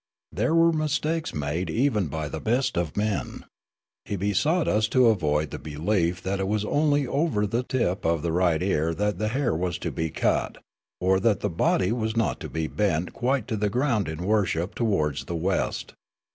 There were mistakes made even by the best of men. He besought us to avoid the be lief that it was only over the tip of the right ear that the hair was to be cut, or that the body was not to be bent quite to the ground in worship towards the west.